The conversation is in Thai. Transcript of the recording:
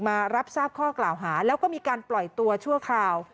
มารับทราบข้อกล่าวหาแล้วก็มีการปล่อยตัวชั่วคราว